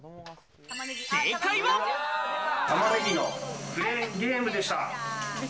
玉ねぎのクレーンゲームでした。